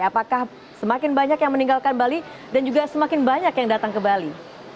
apakah semakin banyak yang meninggalkan bali dan juga semakin banyak yang datang ke bali